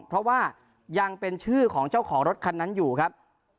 เพราะว่ายังเป็นชื่อของเจ้าของรถคันนั้นอยู่ครับ